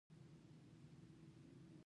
بالاخره دغه لړۍ د غوري شاهانو له منځه یوړه.